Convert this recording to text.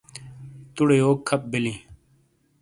تُؤڑے یوک کھپ بلیں؟